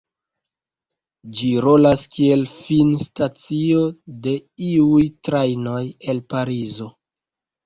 Ĝi rolas kiel finstacio de iuj trajnoj el Parizo.